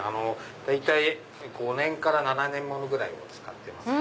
大体５年から７年ものぐらいを使ってますね。